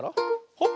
ほっ！